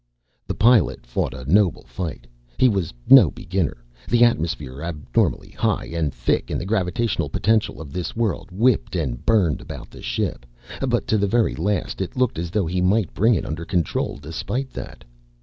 The Pilot fought a noble fight. He was no beginner. The atmosphere, abnormally high and thick in the gravitational potential of this world whipped and burned about the ship, but to the very last it looked as though he might bring it under control despite that.